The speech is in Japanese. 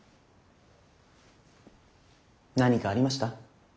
何かありました？